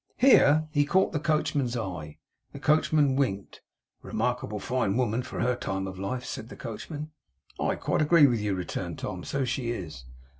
Here he caught the coachman's eye. The coachman winked. 'Remarkable fine woman for her time of life,' said the coachman. 'I quite agree with you,' returned Tom. 'So she is.